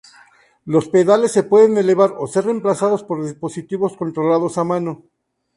Los pedales se pueden elevar o ser reemplazados por dispositivos controlados a mano.